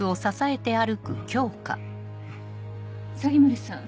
鷺森さん。